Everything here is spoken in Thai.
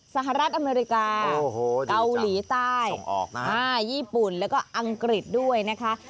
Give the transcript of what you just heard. สหรัฐอเมริกาเกาหลีใต้ญี่ปุ่นแล้วก็อังกฤษด้วยนะคะ